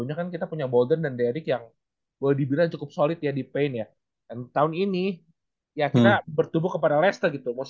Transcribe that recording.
untuk seorang julian alexander calias